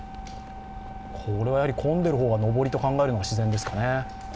これはやはり混んでる方が上りと考えるのが自然ですかね。